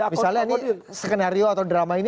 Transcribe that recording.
misalnya ini skenario atau drama ini